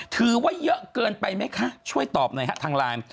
ถือว่าเยอะเกินไปไหมคะช่วยตอบหน่อยฮะทางไลน์